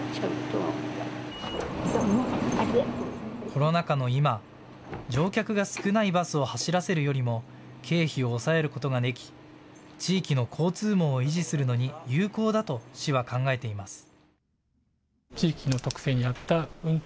コロナ禍の今、乗客が少ないバスを走らせるよりも経費を抑えることができ地域の交通網を維持するのに有効だと市は考えています。